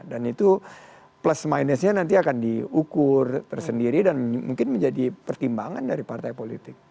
dan itu plus minusnya nanti akan diukur tersendiri dan mungkin menjadi pertimbangan dari partai politik